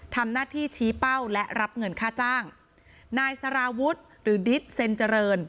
ทำหน้าที่ชี้เป้าและรับเงินค่าจ้างนายสารวุฒิหรือดิสเซ็นเจริญ